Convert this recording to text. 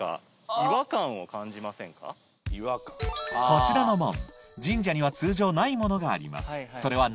こちらの門神社には通常ないものがあります